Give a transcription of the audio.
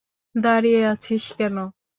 দাঁড়িয়ে আছিস কেন?